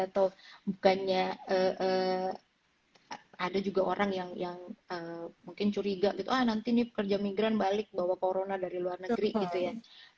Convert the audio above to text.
atau bukannya ada juga orang yang mungkin curiga gitu ah nanti nih pekerja migran balik bawa corona dari luar negeri gitu ya